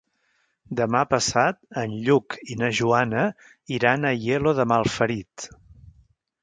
Demà passat en Lluc i na Joana iran a Aielo de Malferit.